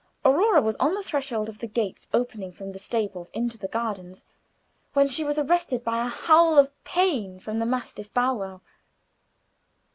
Aurora was on the threshold of the gates opening from the stables into the gardens, when she was arrested by a howl of pain from the mastiff Bow wow.